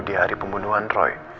di hari pembunuhan roy